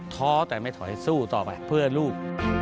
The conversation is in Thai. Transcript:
ท้อแต่ไม่ถอยสู้ต่อไปเพื่อลูก